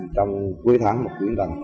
trong cuối tháng một quý lần